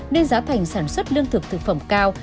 nên giá thành sản xuất lương thực thực phẩm cao